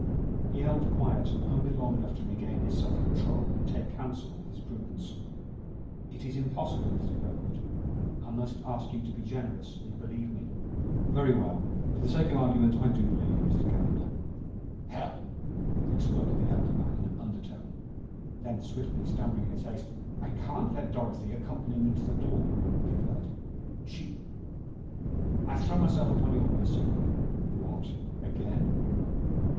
He held quiet only long enough to regain his self control and take counsel with his prudence. "It is impossible, Mr. Kirkwood. I must ask you to be generous and believe me." "Very well; for the sake of the argument, I do believe you, Mr. Calendar." "Hell!" exploded the elder man in an undertone. Then swiftly, stammering in his haste: "I can't let Dorothy accompany me to the door," he declared. "She I I throw myself upon your mercy!" "What again?"